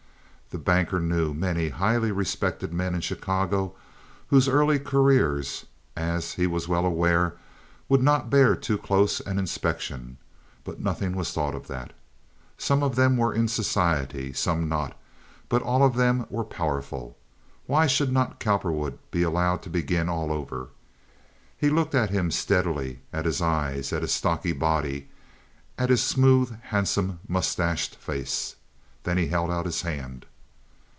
The banker knew many highly respected men in Chicago whose early careers, as he was well aware, would not bear too close an inspection, but nothing was thought of that. Some of them were in society, some not, but all of them were powerful. Why should not Cowperwood be allowed to begin all over? He looked at him steadily, at his eyes, at his stocky body, at his smooth, handsome, mustached face. Then he held out his hand.